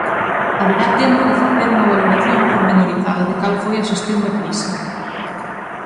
Haberá tempo de facer unha valoración pormenorizada de cal foi a xestión da crise.